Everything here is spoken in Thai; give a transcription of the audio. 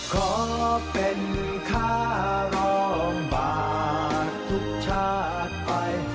ขอเป็นค่ารองบาททุกชาติไป